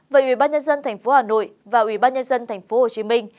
về ủy ban nhân dân thành phố hà nội và ủy ban nhân dân thành phố hồ chí minh